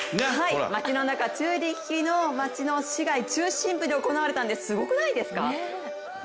街の中、チューリッヒの街の市街、中心部で行われたんです、すごくないですか？